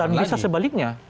dan bisa sebaliknya